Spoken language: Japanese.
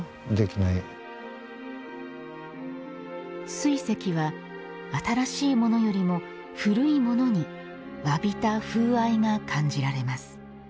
水石は新しいものよりも古いものに侘びた風合いが感じられます。